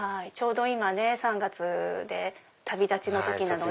今３月で旅立ちの時なので。